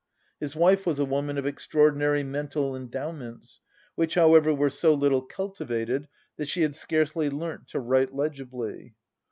His wife was a woman of extraordinary mental endowments, which, however, were so little cultivated that she had scarcely learnt to write legibly.